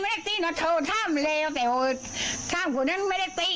ไม่ได้ตีไม่ได้ตีโทรท่ามเลยแต่ว่าท่ามคนนั้นไม่ได้ตี